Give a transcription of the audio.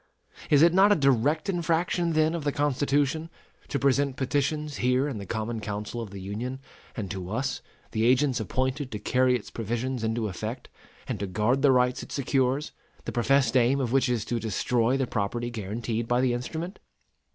Is it not a direct infraction then of the Constitution, to present petitions here in the common council of the Union, and to us, the agents appointed to carry its provisions into effect and to guard the rights it secures, the professed aim of which is to destroy the property guaranteed by the instrument?